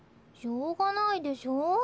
しょうがないでしょ。